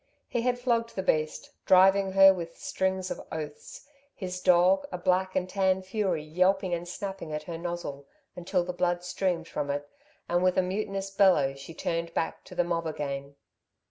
He had flogged the beast, driving her with strings of oaths, his dog, a black and tan fury, yelping and snapping at her nozzle, until the blood streamed from it, and with a mutinous bellow she turned back to the mob again.